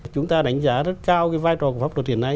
chúng ta đánh giá rất cao cái vai trò của pháp luật hiện nay